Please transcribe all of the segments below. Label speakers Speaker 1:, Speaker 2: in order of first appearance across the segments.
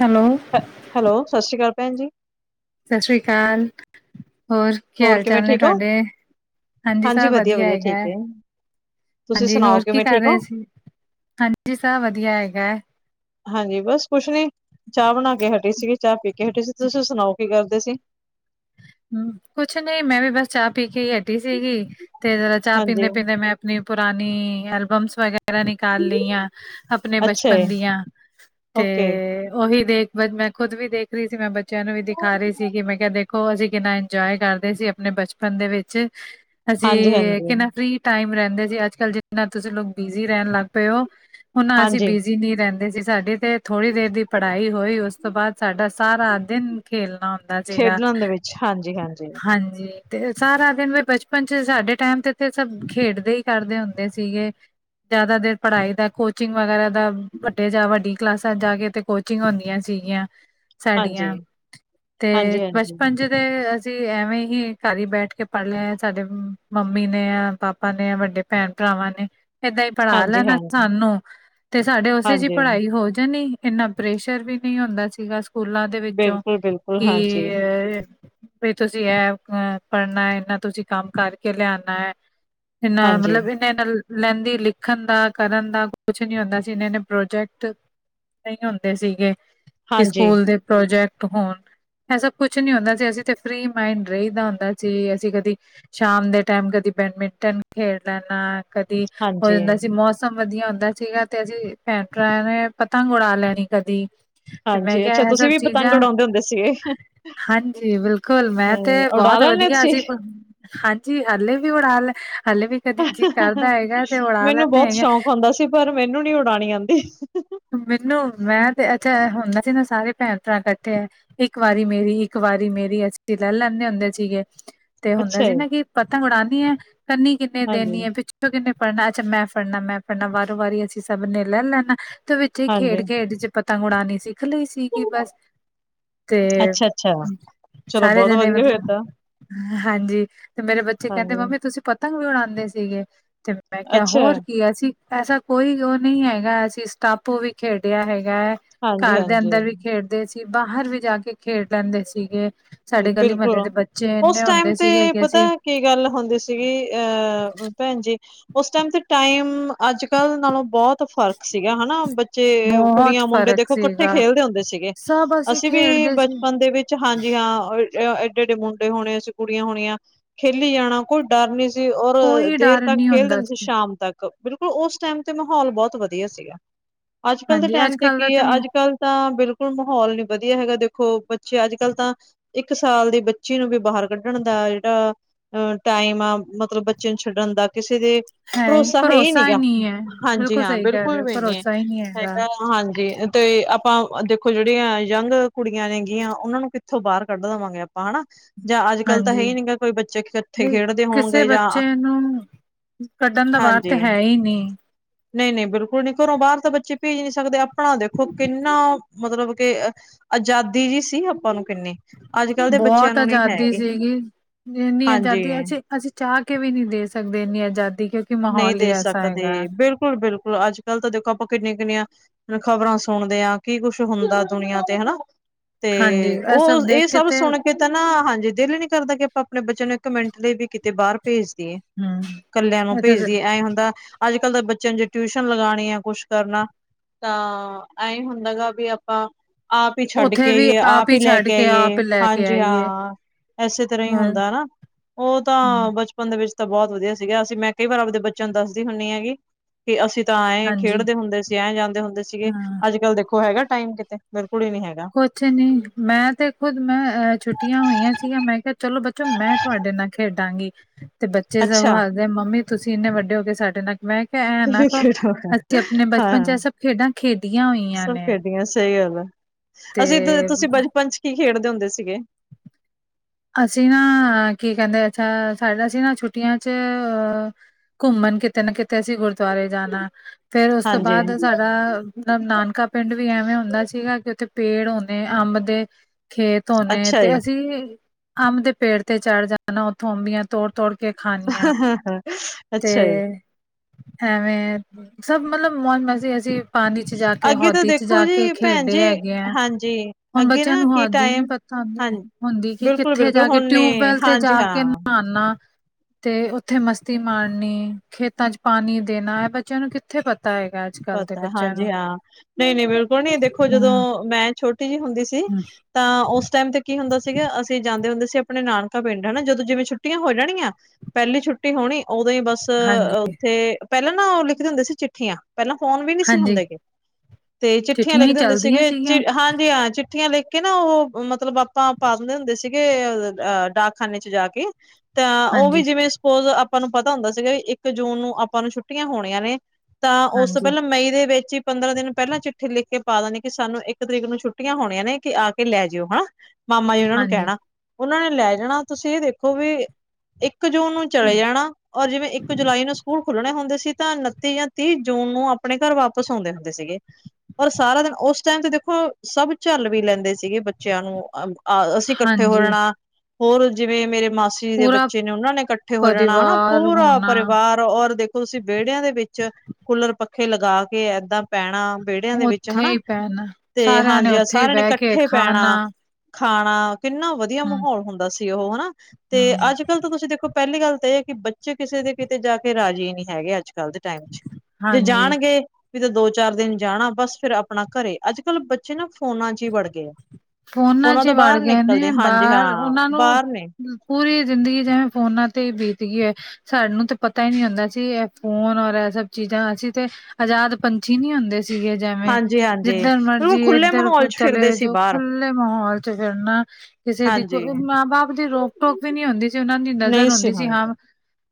Speaker 1: Hello-
Speaker 2: ਹ hello ਸਤਿ ਸ਼੍ਰੀ ਅਕਾਲ ਭੈਣ ਜੀ।
Speaker 1: ਸਤਿ ਸ੍ਰੀ ਅਕਾਲ। ਹੋਰ ਕੀ ਹਾਲ
Speaker 2: ਕਿਵੇਂ
Speaker 1: ਚਾਲ ਨੇ
Speaker 2: ਠੀਕ ਹੋ?
Speaker 1: ਤੁਹਾਡੇ ਹਾਂਜੀ ਸਭ ਵਧੀਆ ਹੈਗਾ ਹੈ।
Speaker 2: ਤੁਸੀਂ
Speaker 1: ਹਾਂਜੀ
Speaker 2: ਸੁਣਾਓ
Speaker 1: ਹੋਰ ਕੀ
Speaker 2: ਕਿਵੇਂ
Speaker 1: ਕਰ
Speaker 2: ਠੀਕ ਹੋ?
Speaker 1: ਰਹੇ ਸੀ ਹਾਂਜੀ ਸਭ ਵਧੀਆ ਹੈਗਾ।
Speaker 2: ਹਾਂਜੀ, ਬਸ ਕੁਛ ਨੀ ਚਾਹ ਬਣਾ ਕੇ ਹਟੀ ਸੀਗੀ ਚਾਹ ਪੀ ਕੇ ਹਟੀ ਸੀ ਤੁਸੀ ਸੁਣਾਓ ਕੀ ਕਰਦੇ ਸੀ।
Speaker 1: ਹੂੰ, ਕੁਛ ਨਹੀ ਮੈਂ ਵੀ ਬਸ ਚਾਹ ਪੀ ਕੇ ਹੀ ਹਟੀ ਸੀਗੀ ਤੇ ਜਦ ਚਾਹ ਪੀਦੇ
Speaker 2: ਹਾਂਜੀ,
Speaker 1: ਪੀਦੇ ਮੈਂ ਆਪਣੀ ਪੁਰਾਣੀ ਐਲਬਮਸ ਵਗੈਰਾ- ਨਿਕਾਲ ਲਈਆ ਆਪਣੇ
Speaker 2: ਅੱਛਾ ਜੀ,
Speaker 1: ਬਚਪਨ ਦੀਆ ਤੇ
Speaker 2: ਓਕੇ,
Speaker 1: ਉਹੀ ਦੇਖ ਮੈ ਖੁਦ ਦੇਖ ਰਹੀ ਸੀ, ਮੈ ਬੱਚਿਆਂ ਨੂੰ ਵੀ ਦਿਖਾ ਰਹੀ ਸੀ ਕਿ ਮੈ ਕਿਹਾ ਦੇਖੋ ਅਸੀਂ ਕਿੰਨਾ ਇਜੋਏ ਕਰਦੇ ਸੀ ਆਪਣੇ ਬਚਪਨ ਦੇ ਵਿਚ
Speaker 2: ਹਾਂਜੀ
Speaker 1: ਅਸੀਂ
Speaker 2: ਹਾਂਜੀ।
Speaker 1: ਕਿਨਾ ਫ੍ਰਰੀ ਟਾਈਮ ਰਹਿਦੇ ਸੀ ਅੱਜਕਲ ਜਿਨ੍ਹਾਂ ਤੁਸੀਂ ਲੋਕ ਬਿਜ਼ੀ ਰਹਿਣ ਲਗ ਪਏ ਹੋ ਉਹਨਾ ਅਸੀਂ
Speaker 2: ਹਾਂਜੀ,
Speaker 1: ਬਿਜ਼ ਨਹੀ ਰਹਿਦੇ ਸੀ ਸਾਡੀ ਤੇ ਥੋੜੀ ਦੇਰ ਦੀ ਪੜ੍ਹਾਈ ਹੋਈ ਉਸ ਤੋਂ ਬਾਅਦ ਸਾਡਾ ਸਾਰਾ ਦਿਨ ਖੇਲਣਾ ਹੁੰਦਾ। ਸੀਗਾ
Speaker 2: ਖੇਡਣ ਦੇ ਵਿਚ ਹਾਂਜੀ-ਹਾਂਜੀ-
Speaker 1: ਹਾਂਜੀ, ਤੇ ਸਾਰਾ ਦਿਨ ਵੀ ਬਚਪਨ 'ਚ ਸਾਡੇ ਟਾਈਮ ਤੇ ਤੇ ਸਭ ਖੇਡਦੇ ਹੀ ਕਰਦੇ ਹੁੰਦੇ ਸੀਗੇ ਜ਼ਿਆਦਾ ਦੇਰ ਪੜ੍ਹਾਈ ਦਾ ਕੋਚਿਗ ਵਗੈਰਾ ਦਾ ਵੱਡੇ ਜਾਂ ਵੱਡੀ ਕਲਾਸਾਂ ਜਾ ਕੇ ਤੇ ਕੋਚਿਗ ਹੁੰਦੀਆਂ ਸੀਗੀਆਂ
Speaker 2: ਹਾਂਜੀ,
Speaker 1: ਸਾਡੀਆਂ ਤੇ
Speaker 2: ਹਾਂਜੀ ਹਾਂਜੀ।
Speaker 1: ਬਚਪਨ 'ਚ- ਤੇ ਅਸੀਂ ਐਵੇ ਹੀ ਘਰ ਹੀ ਬੈਠ ਕੇ ਪੜ੍ਹ ਲਏ ਸਾਡੇ ਮੰਮੀ ਨੇ ਪਾਪਾ ਨੇ ਵੱਡੇ ਭੈਣ ਭਰਾਵਾਂ ਨੇ ਏਦਾਂ ਹੀ ਪੜ੍ਹਾ
Speaker 2: ਹਾਂਜੀ
Speaker 1: ਲੈਣਾ
Speaker 2: ਹਾਂਜੀ,
Speaker 1: ਸਾਨੂੰ ਤੇ ਸਾਡੇ ਉਸੇ 'ਚ ਹੀ
Speaker 2: ਹਾਂਜੀ,
Speaker 1: ਪੜ੍ਹਾਈ ਹੋ ਜਾਣੀ। ਇਨਾ ਪ੍ਰੇਸ਼ਰ ਵੀ ਨੀ ਹੁੰਦਾ ਸੀਗਾ ਸਕੂਲਾਂ ਦੇ ਵਿਚੋ
Speaker 2: ਬਿਲਕੁਲ ਬਿਲਕੁਲ
Speaker 1: ਕਿ
Speaker 2: ਹਾਂਜੀ,
Speaker 1: ਵੀ ਤੁਸੀ ਇਹ ਅ ਪੜ੍ਹਨਾ ਇੰਨਾ ਤੁਸੀਂ ਕੰਮ ਕਰਕੇ ਲਿਆਣਾ। ਇੰਨਾ
Speaker 2: ਹਾਂਜੀ।
Speaker 1: ਮਤਲਬ ਲੈਂਦੀ ਲਿਖਣ ਦਾ ਕਰਨ ਦਾ ਕੁਛ ਨੀ ਹੁੰਦਾ ਸੀ ਇੰਨੇ ਇੰਨੇ ਪ੍ਰੋਜੈਕਟ ਨਹੀਂ ਹੁੰਦੇ ਸੀਗੇ ਕਿ
Speaker 2: ਹਾਂਜੀ,
Speaker 1: ਸਕੂਲ ਦੇ ਪ੍ਰੋਜੈਕਟ ਹੋਣ ਐਸਾ ਕੁਛ ਨੀ ਹੁੰਦਾ। ਅਸੀ ਤੇ ਫ੍ਰਰੀ ਮਾਇੰਡ ਰਹੀਦਾ ਹੁੰਦਾ ਸੀ ਅਸੀ ਕਦੀ ਸ਼ਾਮ ਦੇ ਟਾਈਮ ਕਦੀ ਬੈਡਮਿੰਟਨ ਖੇਡ ਲੈਣਾ ਕਦੀ ਹੋ
Speaker 2: ਹਾਂਜੀ,
Speaker 1: ਜਾਂਦਾ ਸੀ ਮੌਸ ਸਬ ਵਧੀਆ ਹੁੰਦਾ ਸੀਗਾ ਤੇ ਅਸੀ ਭੈਣ ਭਰਾ ਨੇ ਪਤੰਗ ਉੜਾ ਲੈਣੀ ਕਦੀ ਤੇ ਮੈਂ
Speaker 2: ਹਾਂਜੀ
Speaker 1: ਕਿਹਾ
Speaker 2: ਅੱਛਾ
Speaker 1: ਇਹ
Speaker 2: ਤੁਸੀਂ
Speaker 1: ਸਭ
Speaker 2: ਵੀ ਪਤੰਗ
Speaker 1: ਚੀਜ਼ਾਂ
Speaker 2: ਉਡਾਉਂਦੇ ਹੁੰਦੇ ਸੀਗੇ,
Speaker 1: ਹਨ ਜੀ, ਬਿਲਕੁਲ
Speaker 2: ਅ
Speaker 1: ਮੈਂ ਤੇ
Speaker 2: ਉਡਾ
Speaker 1: ਬਹੁਤ
Speaker 2: ਲੈਂਦੇ
Speaker 1: ਵਧੀਆ ਸੀ। ਹਾਂਜੀ, ਹਲੇ ਵੀ [unintelligible] ਹਾਲੇ ਵੀ। ਕਦੀ ਜੀ ਕਰਦਾ ਹੈਗਾ ਤੇ ਉਡਾ
Speaker 2: ਮੈਨੂੰ
Speaker 1: ਲੈਂਦੇ
Speaker 2: ਬਹੁਤ
Speaker 1: ਹੈਗੇ
Speaker 2: ਸ਼ੌਕ ਹੁੰਦਾ ਸੀ ਪਰ ਮੈਨੂੰ ਨੀ ਉਡਾਣੀ ਆਉਦੀ
Speaker 1: ਮੈਨੂੰ ਮੈ ਤੇ ਅਛਾ ਹੁਣ ਨਾ ਤੇ ਨਾ ਸਾਰੇ ਭੈਣ ਭਰਾ ਇਕਠੇ ਹੈ। ਇਕ ਵਾਰੀ ਮੇਰੀ ਇੱਕ ਵਾਰੀ ਮੇਰੀ ਅਸੀਂ ਲੈ ਲੈਂਦੇ ਹੁੰਦੇ ਸੀਗੇ ਤੇ ਹੁੰਦਾ
Speaker 2: ਅੱਛਾ
Speaker 1: ਸੀ
Speaker 2: ਜੀ,
Speaker 1: ਨਾ ਕਿ ਪਤੰਗ ਉੜਾਣੀ ਆ ਕਰਨੀ ਕਿਨੇ ਦੇਨੀ
Speaker 2: ਹਾਂਜੀ,
Speaker 1: ਹੈ ਪਿੱ ਕਿ ਕਿਨੇ ਪੜਨਾ ਅੱਛਾ ਮੈਂ ਫੜਨਾ ਮੈਂ ਫੜ੍ਹਨਾ ਵਾਰੋ ਵਾਰੀ ਅਸੀਂ ਸਭ ਨੇ ਲੈ ਲੈਣਾ। ਤੋਂ ਵਿੱਚੇ ਖੇਡ
Speaker 2: ਹਾਂਜੀ।
Speaker 1: ਖੇਡ ਚ ਪਤੰਗ ਉਡਾਨੀਂ ਸਿੱਖ ਲਈ ਸੀਗੀ ਬਸ ਤੇ
Speaker 2: ਅੱਛਾ-ਅੱਛਾ ਚਲੋ
Speaker 1: ਸਾਰੇ
Speaker 2: ਬਹੁਤ
Speaker 1: ਜਣੇ
Speaker 2: ਵਧੀਆ ਫੇਰ
Speaker 1: ਮਤਲਬ
Speaker 2: ਤਾਂ
Speaker 1: ਹਾਂਜੀ ਤੇ ਮੇਰੇ ਬੱਚੇ ਕਹਿੰਦੇ
Speaker 2: ਹਾਂਜੀ,
Speaker 1: ਮੰਮੀ ਤੁਸੀਂ ਪ ਪਤੰਗ ਵੀ ਉਡਾਉਂਦੇ ਸੀਗੇ ਤੇ ਮੈਂ ਕਿਹਾ
Speaker 2: ਅੱਛਾ
Speaker 1: ਹੋਰ ਕੀ ਹੈ ਸੀ। ਐਸਾ ਕੋਈ ਉਹ ਨਹੀਂ ਹੈਗਾ ਅਸੀਂ ਸਟਾਪੂ ਵੀ ਖੇਡਿਆ ਹੈਗਾ ਹੈ ਘਰ ਦੇ
Speaker 2: ਹਾਂਜੀ-ਹਾਂਜੀ
Speaker 1: ਅੰਦਰ ਵੀ। ਖੇਡਦੇ ਸੀ ਬਾਹਰ ਵੀ ਜਾ ਕੇ ਖੇਡ ਲੈਂਦੇ ਸੀਗੇ ਸਾਡੇ ਗਲੀ ਮਹੱਲੇ ਦੇ
Speaker 2: ਬਿਲਕੁਲ।
Speaker 1: ਬੱਚੇ
Speaker 2: ਉਸ
Speaker 1: ਇੰਨੇ
Speaker 2: ਟਾਈਮ
Speaker 1: ਹੁੰਦੇ
Speaker 2: ਤੇ
Speaker 1: ਸੀਗੇ ਕਿ
Speaker 2: ਪਤਾ
Speaker 1: ਅਸੀਂ
Speaker 2: ਕੀ ਗੱਲ ਹੁੰਦੀ ਸੀਗੀ ਅਹ ਭੈਣ ਜਜੀ ਉਸ ਟਾਈਮ ਤੇ ਟਾਈਮ ਅੱਜ ਕੱਲ ਨਾਲੋਂ ਬਹੁਤ ਫ਼ਰਕ ਸੀਗਾ ਹਨਾ। ਬੱਚੇ
Speaker 1: ਬਹੁਤ
Speaker 2: ਕੁੜੀਆਂ ਮੁੰਡੇ
Speaker 1: ਫ਼ਰਕ
Speaker 2: ਦੇਖੋ ਇਕੱਠੇ
Speaker 1: ਸੀਗਾ
Speaker 2: ਖੇਲਦੇ ਹੁੰਦੇ ਸੀਗੇ
Speaker 1: ਸਭ
Speaker 2: ਅਸੀਂ ਵੀ
Speaker 1: ਖੇਡਦੇ ਸੀ
Speaker 2: ਬਚਪਨ ਦੇ ਵਿੱਚ ਹਾਂਜੀ ਹਾਂ। ਏਡੇ ਏਡੇ ਮੁੰਡੇ ਹੋਣੇ ਅਸੀ ਕੁੜੀਆਂ ਹੋਣੀਆਂ ਖੇਲੀ ਜਾਣਾ ਕੋਈ ਡਰ ਨੀ ਸੀ ਔਰ
Speaker 1: ਕੋਈ
Speaker 2: ਦੇਰ
Speaker 1: ਡਰ
Speaker 2: ਤੱਕ
Speaker 1: ਨਹੀਂ ਹੁੰਦਾ
Speaker 2: ਖੇਲਦੇਿੰਦੇ ਸੀ ਸ਼ਾਮ ਤੱਕ ਬਿਲਕੁਲ ਉਸ ਟਾਈਮ ਤੇ ਮਾਹੌਲ ਬਹੁਤ ਵਧੀਆ ਸੀਗਾ ਅੱਜ ਕੱਲ ਦੇ
Speaker 1: ਹਾਂਜੀ ਅੱਜ
Speaker 2: ਟਾਈਮ ਤੇ
Speaker 1: ਕੱਲ ਦਾ
Speaker 2: ਕੀ ਹੈ। ਅੱਜ ਕੱਲ, ਤਾਂ ਬਿਲਕੁਲ ਮਾਹੌਲ ਨੀ ਵਧੀਆ ਹੈਗਾ ਦੇਖੋ ਬੱਚੇ ਅੱਜ ਕੱਲ੍ਹ ਤਾਂ ਇੱਕ ਸਾਲ ਦੀ ਬੱਚੀ ਨੂੰ ਵੀ ਬਾਹਰ ਕੱਢਣ ਦਾ ਜਿਹੜਾ। ਅਹ ਟਾਈਮ ਆ ਮਤਲਬ ਬੱਚੇ ਨੂੰ ਛੱਡਣ ਦਾ ਕਿਸੇ ਦੇ ਭਰੋਸਾ ਹੈ ਹੀ ਨੀ ਗਾ
Speaker 1: ਨਹੀਂ ਹੈ
Speaker 2: ਹਾਂਜੀ
Speaker 1: ਬਿਲਕੁਲ
Speaker 2: ਹਾਂ
Speaker 1: ਸਹੀ ਕਹਿ ਰਹੇ
Speaker 2: ਬਿਲਕੁਲ
Speaker 1: ਹੋ
Speaker 2: ਵੀ ਨੀ
Speaker 1: ਭਰੋਸਾ ਹੀ ਨਹੀਂ
Speaker 2: ਹੈਗਾ। ਹਾਂਜੀ ਤੇ ਆਪਾਂ ਦੇਖੋ ਜਿਹੜੀਆਂ ਯੰਗ ਕੁੜੀਆਂ ਨੇਗੀਆਂ। ਉਹਨਾਂ ਨੂੰ ਕਿੱਥੋਂ ਬਾਹਰ‌, ਕੱਢ ਦੇਵਾਂਗੇ ਆਪਾਂ ਹਨਾ। ਜਾਂ ਅੱਜ ਕੱਲ੍ਹ ਤਾਂ ਹੈ
Speaker 1: ਹਾਂਜੀ
Speaker 2: ਹੀ ਨਹੀਂੀ ਗ ਕੋਈ ਬੱਚੇ ਇਕੱਠੇ
Speaker 1: ਬਈ
Speaker 2: ਖੇਡਦੇ
Speaker 1: ਕਿਸੇ
Speaker 2: ਹੋਣਗੇ ਜਾਂ
Speaker 1: ਬੱਚੇ ਨੂੰ ਕੱਢਣ ਦਾ ਬਾਅਦ
Speaker 2: ਹਾਂਜੀ
Speaker 1: ਤਾਂ ਹੈ ਹੀ ਨਹੀਂ।
Speaker 2: ਨਹੀਂ ਨਹੀਂ, ਬਿਲਕੁਲ ਨਹੀਂ ਘਰੋਂ ਬਾਹਰ ਤਾਂ ਬੱਚੇ ਭੇਜ ਨਹੀਂ ਸਕਦੇ ਆਪਣਾ ਦੇਖੋ ਕਿੰਨਾ। ਮਤਲਬ ਕੇ ਆਜ਼ਾਦੀ ਜਿ ਸੀ ਆਪਾਂ ਨੂੰ ਕਿੰਨੀ ਅੱਜ ਕੱਲ੍ਹ ਦੇ ਬੱਚਿਆਂ
Speaker 1: ਬਹੁਤ
Speaker 2: ਨੂੰ ਨੀ
Speaker 1: ਆਜ਼ਾਦੀ
Speaker 2: ਹੈਗੀ
Speaker 1: ਸੀਗੀ ਇੰਨੀ
Speaker 2: ਹਾਂਜੀ
Speaker 1: ਆਜ਼ਾਦੀ ਅਸੀਂ ਅਸੀਂ ਚਾਹ ਕੇ ਵੀ ਨਹੀਂ ਦੇ ਸਕਦੇ ਇੰਨੀ ਆਜ਼ਾਦੀ ਕਿਉਂਕ
Speaker 2: ਨਹੀਂ ਦੇ ਸਕਦੇ ਬਿਲਕੁਲ ਬਿਲਕੁਲ ਅੱਜ ਗੱਲ ਤਾਂ ਦੇਖੋ ਆਪਾਂ ਕਿੰਨੀਆਂ ਕਿੰਨੀਆਂ ਖ਼ਬਰਾਂ ਸੁਣਦੇ ਹਾਂ ਕੀ ਕੁੱਛ ਹੁੰਦਾ ਦੁਨੀਆਂ ਤੇ ਹਨਾ। ਤੇ
Speaker 1: ਹਾਂਜੀ ਇਹ
Speaker 2: ਉਹ
Speaker 1: ਦੇਖ
Speaker 2: ਇਹ
Speaker 1: ਕੇ
Speaker 2: ਸਭ
Speaker 1: ਤੇ
Speaker 2: ਸੁਣ ਕਿਤੇ ਨਾ ਹਾਂਜੀ ਦਿਲ ਹੀ ਨੀ ਕਰਦਾ ਕਿ ਆਪਾਂ ਆਪਣੇ ਬੱਚੇ ਨੂੰ ਇੱਕ ਮਿੰਟ ਲਈ ਵੀ ਕਿਤੇ ਬਾਹਰ ਭੇਜਦੀਏ
Speaker 1: ਹਮ ਮ
Speaker 2: ਐਂ ਹੁੰਦਾ ਅੱਜ ਕੱਲ੍ਹ ਦੇ ਬੱਚਿਆਂ ਚੇ ਟਿਊਸ਼ਨ ਲਗਾਣੀ ਆ ਕੁਛ ਕਰਨਾ ਤਾਂ ਐ ਹੁੰਦਾ ਗਾ ਵੀ ਆਪਾਂ ਆਪ ਹੀ ਛੱਡ
Speaker 1: ਉੱਥੇ
Speaker 2: ਕੇ
Speaker 1: ਵੀ
Speaker 2: ਆਈਏ ਆਪ ਹੀ ਲੈ
Speaker 1: ਛੱਡ
Speaker 2: ਕੇ ਆਈਏ
Speaker 1: ਆਪ ਲੈ ਕੇ
Speaker 2: ਹਾਂਜੀ
Speaker 1: ਆਈਏ
Speaker 2: ਹਾਂ। ਇਸੇ ਤਰ੍ਹਾਂ ਹੀ
Speaker 1: ਹਾਂ
Speaker 2: ਹੁੰਦਾ ਹੈ, ਨਾ ਉਹ ਤਾਂ ਬਚਪ ਦੇ ਵਿੱਚ ਤਾਂ ਬਹੁਤ ਵਧੀਆ ਸੀਗਾ ਅਸੀਂ ਮੈਂ ਕਈ ਵਾਰ ਆਪਦੇ ਬੱਚਿਆਂ ਨੂੰ ਦੱਸਦੀ ਹੁੰਦੀ ਹਗੀ। ਕਿ ਅਸੀਂ ਤਾਂ ਐਏਂ
Speaker 1: ਹਾਂਜੀ
Speaker 2: ਖੇਡਦੇ ਹੁੰਦੇ ਸੀ ਐਏਂ ਜਾਂਦੇ ਹੁੰਦੇ ਸੀਗੇ
Speaker 1: ਹਾਂ
Speaker 2: ਅੱਜ ਕੱਲ੍ਹ ਦੇਖੋ ਹੈਗਾ ਟਾਈਮ ਕਿ ਬਿਲਕੁਲ ਹੀ ਨੀ ਹੈਗਾ
Speaker 1: ਬੱਚੇ ਨੇ ਮੈਂ ਤੇ ਖੁੱਦ ਮੈਂ ਅ ਛੁੱਟੀਆਂ ਹੋਈਆਂ ਸੀਗੀਆਂ ਮੈਂ ਕਿਹਾ ਚਲੋ ਬੱਚੋ ਮੈਂ ਤੁਹਾਡੇ ਨਾਲ ਖੇਡਾਂਗੀ ਤੇ ਬੱਚੇ
Speaker 2: ਅੱਛਾ
Speaker 1: ਸਗੋਂ ਹੱਸਦੇ ਮੰਮੀ ਤੁਸੀਂ ਇੰਨੇ ਵੱਡੇ ਹੋ ਕੇ ਸਾਡੇ ਨਾਲ ਮੈਂ ਕਿਹਾ ਐ ਨਾ
Speaker 2: ਕਿਵੇਂ
Speaker 1: ਕੋ
Speaker 2: ਖੇਡੋਗਾ
Speaker 1: ਅਸੀ ਆਪਣੇ ਬਚਪਨ
Speaker 2: ਹਾਂ
Speaker 1: ਚ ਇਹ ਸਭ ਖੇਡਾਂ ਖੇਡੀਆਂ ਹੋਈਆਂ
Speaker 2: ਸਭ
Speaker 1: ਨੇ।
Speaker 2: ਸਹੀ ਗੱਲ ਅਸੀਂ
Speaker 1: ਤੇ
Speaker 2: ਤੁਸੀਂ ਬਚਪਨ ਚ ਕੀ ਖੇਡਦੇ ਹੁੰਦੇ ਸੀਗੇ।
Speaker 1: ਅਸੀਂ ਨਾ ਕੀ ਕਹਿੰਦੇ ਅੱਛਾ ਸਾਡਾ ਅਸੀ ਨਾ ਛੁੱਟੀਆਂ ਚ ਘੁੰਮਣ ਕਿਤੇ ਨਾ ਕਿਤੇ ਅਸੀਂ ਗੁਰਦੁਆਰੇ ਜਾਣਾ ਫੇਰ ਉਸ ਤੋਂ
Speaker 2: ਹਾਂਜੀ
Speaker 1: ਬਾਅਦ ਸਾਡਾ ਮਤਲਬ ਨਾਨਕਾ ਪਿੰਡ ਵੀ ਐਵੇਂ ਹੁੰਦਾ ਸੀਗਾ ਕਿ ਉੱਥੇ ਪੇੜ ਹੁੰਦੇ ਅੰਬ ਦੇ ਖੇਤ ਧੋਨੇ
Speaker 2: ਅੱਛਾ
Speaker 1: ਤੇ
Speaker 2: ਜੀ
Speaker 1: ਅਸੀਂ ਅੰਬ ਦੇ ਪੇੜ ਤੇ ਚੜ੍ਹ ਜਾਣਾ ਉੱਥੋਂ ਅੰਬੀਆਂ ਤੋੜ ਤੋੜ ਕੇ ਖਾਣੀ ਆ ਤੇ
Speaker 2: ਅੱਛਾ ਜੀ
Speaker 1: ਹੈਵੇਂ ਸਭ ਮਤਲਬ ਮਨ ਮਸਤੀ ਅਸੀਂ ਪਾਣੀ ਚ ਜਾ ਕੇ
Speaker 2: ਅੱਗੇ ਤਾਂ
Speaker 1: ਹੋਦੀ ਚ
Speaker 2: ਦੇਖੋ
Speaker 1: ਜਾ ਕੇ
Speaker 2: ਜੀ ਭੈਣ
Speaker 1: ਖੇਡੇ
Speaker 2: ਜੀ
Speaker 1: ਹੈਗੇ ਆ
Speaker 2: ਹਾਂਜੀ
Speaker 1: ਹੁਣ
Speaker 2: ਅੱਗੇ
Speaker 1: ਬੱਚਿਆਂ
Speaker 2: ਨਾ
Speaker 1: ਨੂੰ
Speaker 2: ਕੀ
Speaker 1: ਹੋਦੀ ਨੀ
Speaker 2: ਟਾਈਮ
Speaker 1: ਪਤਾ। ਖਾਦੇ
Speaker 2: ਹਾਂਜੀ
Speaker 1: ਹੁਣ ਕਿ
Speaker 2: ਬਿਲਕੁਲ
Speaker 1: ਕਿੱਥੇ
Speaker 2: ਬਿਲਕੁਲ
Speaker 1: ਜਾ ਕੇ
Speaker 2: ਹੁਣ ਨੇ
Speaker 1: ਟਿਊਬਵੈਲ ਤੇ
Speaker 2: ਹਾਂਜੀ
Speaker 1: ਜਾ ਕੇ
Speaker 2: ਹਾਂ
Speaker 1: ਨਹਾਉਣਾ ਤੇ ਉੱਥੇ ਮਸਤੀ ਮਾਰਨੀ ਖੇਤਾਂ ਚ ਪਾਣੀ ਦੇਣਾ ਹੈ ਬੱਚਿਆਂ ਨੂੰ ਕਿੱਥੇ ਪਤਾ ਹੈਗਾ। ਅੱਜ ਕੱਲ ਦੇ
Speaker 2: ਪਤਾ
Speaker 1: ਬੱਚਿਆਂ ਨੂੰ
Speaker 2: ਹਾਂਜੀ ਹਾਂ ਨਹੀਂ, ਨਹੀਂ ਬਿਲਕੁਲ ਨੀ ਦੇਖੋ ਜਦੋਂ
Speaker 1: ਹਮ
Speaker 2: ਮੈਂ ਛੋਟੀ ਜਿਹੀ ਹੁੰਦੀ ਸੀ। ਤਾਂ ਉਸ ਟਾਈਮ ਤੇ ਕੀ ਹੁੰਦਾ ਸੀਗਾ, ਅਸੀਂ ਜਾਂਦੇ ਹੁੰਦੇ ਸੀ ਆਪਣੇ ਨਾਨਕਾ ਪਿੰਡ ਹਨਾ ਜਦੋਂ ਜਿਵੇਂ ਛੁੱਟੀਆਂ ਹੋ ਜਾਣੀਆਂ। ਪਹਿਲੀ ਛੁੱਟੀ ਹੋਣੀ ਉਦੋਂ ਹੀ ਬਸ
Speaker 1: ਹਾਂਜੀ
Speaker 2: ਉੱਥੇ ਪਹਿਲਾਂ ਨਾ ਉਹ ਲਿਖਦੇ ਹੁੰਦੇ ਸੀ ਚਿੱਠੀਆਂ ਪਹਿਲਾਂ ਫੋਨ ਵੀ ਨਹੀਂ ਸੀ
Speaker 1: ਹਾਂਜੀ
Speaker 2: ਹੁੰਦੇ ਗ ਤੇ ਚਿੱਠੀਆਂ
Speaker 1: ਹੀ
Speaker 2: ਲਿਖਦੇ ਹੁੰਦੇ
Speaker 1: ਚੱਲਦੀਆਂ
Speaker 2: ਸੀਗੇ
Speaker 1: ਸੀਗੀਆਂ
Speaker 2: ਹਾਂਜੀ ਹਾਂ ਚਿੱਠੀਆਂ ਲਿਖ ਕਿ ਨਾ ਉਹ ਮਤਲਬ ਆਪਾਂ ਪਾਦੇ ਹੁੰਦੇ ਸੀਗੇ ਅਹ ਡਾਕਖਾਨੇ ਚ ਜਾ ਕੇ ਤਾਂ ਉਹ ਵੀ
Speaker 1: ਹਾਂਜੀ
Speaker 2: ਜਿਵੇਂ ਸਪੋਜ ਆਪਾਂ ਨੂੰ ਪਤਾ ਹੁੰਦਾ ਸੀਗਾ ਵੀ ਇੱਕ ਜੂਨ ਨੂੰ ਆਪਾਂ ਨੂੰ ਛੁੱਟੀਆਂ ਹੋਣੀਆਂ ਨੇ ਤਾਂ ਉਸ ਤੋਂ
Speaker 1: ਹਾਂਜੀ
Speaker 2: ਪਹਿਲਾਂ ਮਈ ਦੇ ਵਿੱਚ ਹੀ ਪੰਦਰਾਂ ਦਿਨ ਪਹਿਲਾਂ ਚਿੱਠੀ ਲਿਖ ਕੇ ਪਾ ਦੇਣੀ ਕਿ ਸਾਨੂੰ ਇੱਕ ਤਰੀਕ ਨੂੰ ਛੁੱਟੀਆਂ ਹੋਣੀਆਂ ਨੇ ਕਿ ਆ ਕੇ ਲੈ ਜਾਓ ਹਨਾ। ਮਾਮਾ ਜੀ ਉਹਨਾਂ ਨੂੰ
Speaker 1: ਹਾਂਜੀ
Speaker 2: ਕਹਿਣਾ ਉਹਨਾਂ ਨੇ ਲੈ ਜਾਣਾ ਤੁਸੀਂ ਇਹ ਦੇਖੋ ਵੀ ਇੱਕ ਜੂਨ ਨੂੰ ਚਲੇ ਜਾਣਾ ਔਰ ਜਿਵੇਂ ਇੱਕ ਜੁਲਾਈ ਨੂੰ ਸਕੂਲ ਖੁੱਲਣੇ ਹੁੰਦੇ ਸੀ ਤਾਂ ਉਨੱਤੀ ਜਾਂ ਤੀਹ ਜੂਨ ਨੂੰ ਆਪਣੇ ਘਰ ਵਾਪਿਸ ਆਉਂਦੇ ਹੁੰਦੇ ਸੀਗੇ। ਔਰ ਸਾਰਾ ਦਿਨ ਉਸ ਟਾਈਮ ਤੇ ਦੇਖੋ ਸਭ ਝੱਲ ਵੀ ਲੈਂਦੇ ਸੀਗੇ ਬੱਚਿਆਂ ਨੂੰ ਆ ਇਕੱਠੇ ਹੋ
Speaker 1: ਹਾਂਜੀ
Speaker 2: ਜਾਣਾ ਹੋਰ ਜਿਵੇਂ ਮੇਰੇ ਮਾਸੀ ਦੇ
Speaker 1: ਪੂਰਾ
Speaker 2: ਬੱਚੇ ਨੇ ਉਹਨਾਂ ਨੇ ਇਕੱਠੇ ਹੋ ਜਾਣਾ ਹਨਾ
Speaker 1: ਪਰਿਵਾਰ
Speaker 2: ਪੂਰਾ
Speaker 1: ਹੋਣਾ
Speaker 2: ਪਰਿਵਾਰ ਔਰ ਦੇਖੋ ਤੁਸੀਂ ਵਿਹੜਿਆਂ ਦੇ ਵਿੱਚ ਕੂਲਰ ਪੱਖੇ ਲਗਾ ਕੇ ਏਦਾਂ ਪੈਣਾ ਵਿਹੜਿਆਂ ਦੇ ਵਿੱਚ
Speaker 1: ਉੱਥੇ
Speaker 2: ਹਨਾ
Speaker 1: ਹੀ ਪੈਣਾ
Speaker 2: ਤੇ
Speaker 1: ਸਾਰਿਆਂ ਨੇ
Speaker 2: ਹਾਂਜੀ ਆ
Speaker 1: ਉੱਥੇ ਹੀ
Speaker 2: ਸਾਰਿਆਂ ਨੇ
Speaker 1: ਬਹਿ ਕੇ
Speaker 2: ਇਕੱਠੇ
Speaker 1: ਖਾਣਾ
Speaker 2: ਪੈਣਾ ਖਾਣਾ ਕਿੰਨਾ ਵਧੀਆ
Speaker 1: ਹਮ
Speaker 2: ਮਾਹੌਲ ਹੁੰਦਾ ਸੀ ਉਹ ਹਨਾ ਤੇ
Speaker 1: ਹਮ
Speaker 2: ਅੱਜ ਕੱਲ ਤਾਂ ਤੁਸੀਂ ਦੇਖੋ ਪਹਿਲੀ ਗੱਲ ਤਾਂ ਇਹ ਹੈ ਕਿ ਬੱਚੇ ਕਿਸੇ ਦੇ ਕਿਤੇ ਜਾ ਕੇ ਰਾਜ਼ੀ ਨਹੀਂ ਹੈਗੇ ਅੱਜ ਕੱਲ੍ਹ ਦੇ ਟਾਈਮ ਚ ਜੇ
Speaker 1: ਹਾਂਜੀ
Speaker 2: ਜਾਣਗੇ ਵੀ ਤਾਂ ਦੋ ਚਾਰ ਦਿਨ ਜਾਣਾ ਬਸ ਫੇਰ ਆਪਣਾ ਘਰੇ ਅੱਜ ਕੱਲ੍ਹ ਬੱਚੇ ਨਾ ਫੋਨਾਂ ਚ ਹੀ ਵੜ ਗਏ ਆ।
Speaker 1: ਫੋਨਾਂ ਚ
Speaker 2: ਤੋਂ
Speaker 1: ਵੜ
Speaker 2: ਬਾਹਰ
Speaker 1: ਗਏ
Speaker 2: ਨਿਕਲਦੇ
Speaker 1: ਨੇ
Speaker 2: ਹਾਂਜੀ
Speaker 1: ਬਾਹਰ
Speaker 2: ਹਾਂ
Speaker 1: ਉਹਨਾਂ ਨੂੰ
Speaker 2: ਬਾਹਰ ਨੇ
Speaker 1: ਪੂਰੀ ਜ਼ਿੰਦਗੀ ਜਿਵੇਂ ਫੋਨਾਂ ਤੇ ਹੀ ਬੀਤ ਗਈ ਹੈ। ਸਾਨੂੰ ਤਾਂ ਪਤਾ ਹੀ ਨਹੀਂ ਹੁੰਦਾ ਸੀ ਇਹ ਫੋਨ ਔਰ ਇਹ ਸਭ ਚੀਜ਼ਾਂ ਅਸੀਂ ਤੇ ਆਜ਼ਾਦ ਪੰਛੀ ਨਹੀਂ ਹੁੰਦੇ ਸੀਗੇ ਜਿਵੇਂ
Speaker 2: ਹਾਂਜੀ ਹਾਂਜੀ।
Speaker 1: ਜਿੱਧਰ
Speaker 2: ਬਿਲਕੁਲ
Speaker 1: ਮਰਜ਼ੀ
Speaker 2: ਖੁੱਲੇ
Speaker 1: ਇੱਧਰ
Speaker 2: ਮਾਹੌਲ ਚ ਫਿਰਦੇ
Speaker 1: ਚਲੇ
Speaker 2: ਸੀ
Speaker 1: ਜੋ
Speaker 2: ਬਾਹਰ
Speaker 1: ਖੁਲੇ ਮਾਹੌਲ ਚ ਫੇਰ ਨਾ ਕਿਸੇ ਦੀ ਕੋ
Speaker 2: ਹਾਂਜੀ
Speaker 1: ਮਾਂ ਬਾਪ ਦੀ ਰੋਕ ਟੋਕ ਵੀ ਨਹੀਂ ਹੁੰਦੀ ਸੀ, ਉਹਨਾਂ ਦੀ ਨਜ਼ਰ
Speaker 2: ਨਹੀਂ
Speaker 1: ਹੁੰਦੀ ਸੀ ਹਾਂ।
Speaker 2: ਹੁੰਦੇ।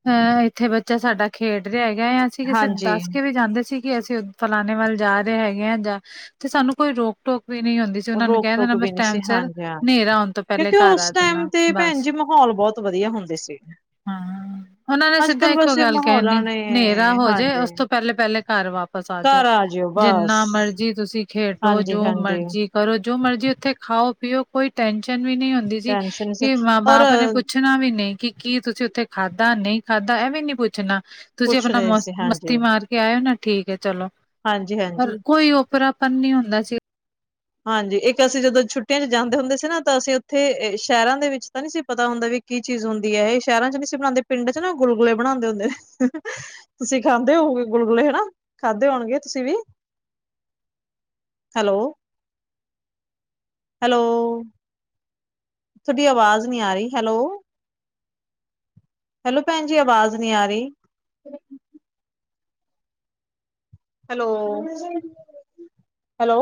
Speaker 1: ਅ ਇੱਥੇ ਬੱਚਾ ਸਾਡਾ ਖੇਡ ਰਿਹਾ ਹੈਗਾ ਹੈ, ਅਸੀਂ ਕਿਸੇ
Speaker 2: ਹਾਂਜੀ
Speaker 1: ਦੱਸ ਕੇ ਵੀ ਜਾਂਦੇ ਸੀ। ਕਿ ਅਸੀਂ ਫਲਾਣੇੇ ਵੱਲ ਜਾ ਰਹੇ ਹੈਗੇ ਹਾਂ ਜਾਂ ਤੇ ਸਾਨੂੰ ਕੋਈ ਰੋਕ ਟੋਕ ਵੀ ਨਹੀਂ ਹੁੰਦੀ ਸੀ ਉਹਨਾਂ ਨੂੰ
Speaker 2: ਰੋਕ ਟੋਕ
Speaker 1: ਆਪਣਾ
Speaker 2: ਵੀ ਨਹੀਂ
Speaker 1: ਟਾਈਮ
Speaker 2: ਸੀ
Speaker 1: ਸਿਰ
Speaker 2: ਹਾਂਜੀ ਹਾਂ।
Speaker 1: ਹਨੇਰਾ ਆਉਣ ਤੋਂ ਪਹਿਲੇ
Speaker 2: ਕਿਉਂਕਿ
Speaker 1: ਘਰ ਆ
Speaker 2: ਉਸ ਟਾਈਮ
Speaker 1: ਜਾਣਾ
Speaker 2: ਤੇ ਭੈਣ
Speaker 1: ਬਸ
Speaker 2: ਜੀ ਮਾਹੌਲ ਬਹੁਤ ਵਧੀਆ ਹੁੰਦੇ ਸੀ।
Speaker 1: ਹਾਂ ਉਹਨਾਂ ਨੇ ਸਿੱਧਾ
Speaker 2: ਅੱਜ-ਕੱਲ
Speaker 1: ਇੱਕੋ
Speaker 2: ਵੈਸੇ
Speaker 1: ਗੱਲ
Speaker 2: ਮਾਹੌਲਾਂ
Speaker 1: ਕਹਿਣੀ
Speaker 2: ਨੇ
Speaker 1: ਹਨੇਰਾ ਹੋਜੇ
Speaker 2: ਹਾਂਜੀ
Speaker 1: ਉਸ ਤੋਂ ਪਹਿਲੇ ਪਹਿਲੇ ਘਰ ਵਾਪਸ ਬਸ ਆਜੋ
Speaker 2: ਘਰ ਆ ਜਿਓ ਬਸ।
Speaker 1: ਜਿੰਨਾ ਮਰਜੀ ਤੁਸੀਂ ਖੇਡੋ ਜੋ
Speaker 2: ਹਾਂਜੀ-ਹਾਂਜੀ
Speaker 1: ਮਰਜੀ ਕਰੋ ਜੋ ਮਰਜੀ ਉੱਥੇ ਖਾਓ ਪੀਓ ਕੋਈ ਟੈਨਸ਼ਨ ਵੀ ਨਹੀਂ ਹੁੰਦੀ ਸੀ
Speaker 2: ਟੈਸ਼ਨ ਸੀ
Speaker 1: ਕਿ ਮਾਂ
Speaker 2: ਔਰ
Speaker 1: ਬਾਪ ਨੇ ਪੁੱਛ ਣਾ ਵੀ ਨਹੀਂ ਕਿ ਕੀ ਤੁਸੀਂ ਉੱਥੇ ਖਾਧਾ ਨਹੀਂ ਖਾਧਾ ਇਹ ਵੀ ਨੀ ਪੁੱਛਣਾ ਤੁਸੀਂ
Speaker 2: ਪੁੱਛ
Speaker 1: ਆਪਣਾ
Speaker 2: ਰਹੇ ਸੀ
Speaker 1: ਮਸਤੀ
Speaker 2: ਹਾਂਜੀ।
Speaker 1: ਮਾਰ ਕੇ ਆਇਓ ਨਾ ਠੀਕ ਹੈ, ਚਲੋ ਪਰ
Speaker 2: ਹਾਂਜੀ-ਹਾਂਜੀ,
Speaker 1: ਕੋਈ ਉਓਪਰਾ ਨੀ ਹੁੰਦਾ ਸੀ।
Speaker 2: ਹਾਂਜੀ, ਇੱਕ ਅਸੀਂ ਜਦੋਂ ਛੁੱਟੀਆਂ ਚ ਜਾਂਦੇ ਹੁੰਦੇ ਸੀ ਨਾ ਤਾਂ ਅਸੀਂ ਉੱਥੇ ਸ਼ਹਿਰਾਂ ਦੇ ਵਿੱਚ ਤਾਂ ਨਹੀਂ ਸੀ ਪਤਾ ਹੁੰਦਾ ਵੀ ਕੀ ਚੀਜ਼ ਹੁੰਦੀ ਹੈ, ਇਹ ਸ਼ਹਿਰਾਂ ਚ ਨਹੀਂ ਸੀ ਬਣਾਉਂਦੇ ਪਿੰਡ ਚ ਨਾ ਗੁਲਗੁਲੇ ਬਣਾਉਂਦੇ ਹੁੰਦੇ। ਤੁਸੀਂ ਖਾਂਦੇ ਹੋਗੇ ਗੁਲਗੁਲੇ ਹਨਾ ਖਾਂਦੇ ਹੋਣਗੇ ਤੁਸੀਂ ਵੀ ਹੈਲੋ ਹੈਲੋ ਤੁਥਹਾਡੀ ਆਵਾਜ਼ ਨਹੀਂ ਆ ਰਹੀ ਹੈਲੋ। ਹੈਲੋ ਭੈਣ ਜੀ ਆਵਾਜ਼ ਨੀ ਆ ਰਹੀ। Hello, hello